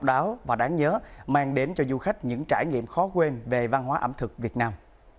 đáo và đáng nhớ mang đến cho du khách những trải nghiệm khó quên về văn hóa ẩm thực việt nam